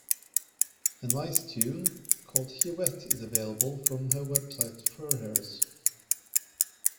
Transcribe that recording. A nice tune, called Hiwet is available from her website feuerherz.